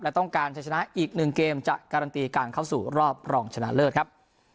และต้องการใช้ชนะอีกหนึ่งเกมจะการันตีการเข้าสู่รอบรองชนะเลิศครับ